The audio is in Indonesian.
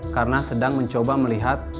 karena sedang mencoba melihat